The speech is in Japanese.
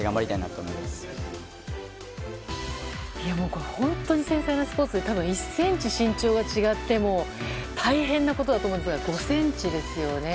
これ、本当に繊細なスポーツで１ｃｍ、身長が違っても大変なことだと思うんですが５ｃｍですよね。